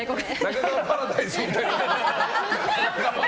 中川パラダイスみたいな。